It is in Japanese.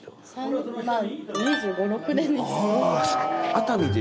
熱海で。